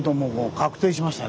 確定しました！